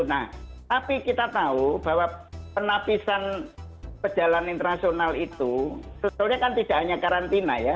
nah tapi kita tahu bahwa penapisan pejalan internasional itu sebetulnya kan tidak hanya karantina ya